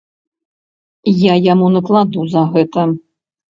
Я яму накладу за гэта.